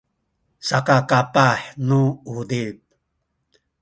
saka kapah nu uzip